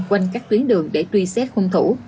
quanh các tuyến đường để truy xét hung thủ